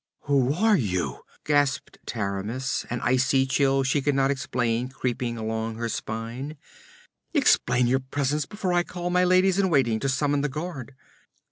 'Who are you?' gasped Taramis, an icy chill she could not explain creeping along her spine. 'Explain your presence before I call my ladies in waiting to summon the guard!'